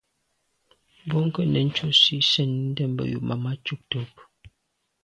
Bwɔ́ŋkə́’ nɛ̀n cɔ́sì ndʉ sɛ́ɛ̀nî ndɛ́mbə̄ júp màmá cúptə́ úp.